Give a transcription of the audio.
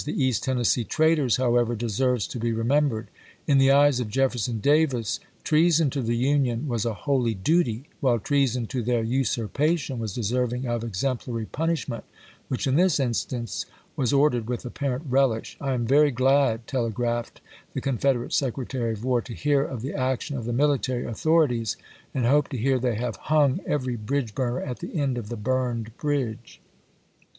the East Tennessee "traitors," however, deserves to be remembered. In the eyes of Jefferson Davis "treason" to the Union was a holy duty, while "treason" to their usurpation was deserving of exemplary punishment, which in this instance was ordered with apparent relish, "I am very glad," telegraphed the Confederate Secretary of War, "to hear of the action of the military au toRimsay, thorities, and hope to hear they have hung every isei!* ^Hv. r. bridge burner at the end of the burned bridge."